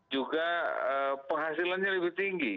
juga penghasilannya lebih tinggi